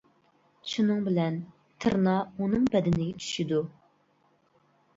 شۇنىڭ بىلەن «تىرنا» ئۇنىڭ بەدىنىگە چۈشىدۇ.